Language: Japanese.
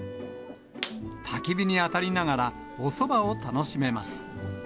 たき火にあたりながら、おそばを楽しめます。